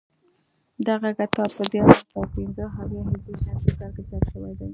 دغه کتاب په دیارلس سوه پنځه اویا هجري شمسي کال کې چاپ شوی دی